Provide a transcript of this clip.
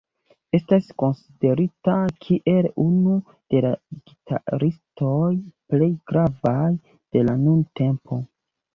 Estas konsiderita kiel unu de la gitaristoj plej gravaj de la nuntempo.